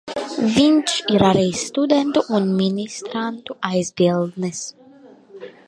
Viņš ir arī studentu un ministrantu aizbildnis.